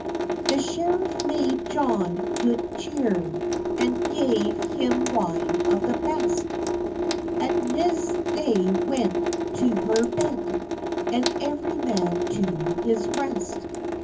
The scheref made John gode chere, And gaf hym wine of the best; At nyzt thei went to her bedde, And euery man to his rest.